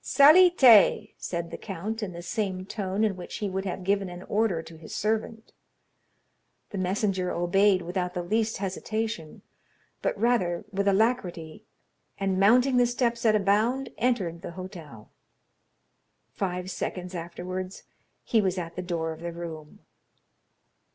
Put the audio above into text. "Salite!" said the count, in the same tone in which he would have given an order to his servant. The messenger obeyed without the least hesitation, but rather with alacrity, and, mounting the steps at a bound, entered the hotel; five seconds afterwards he was at the door of the room.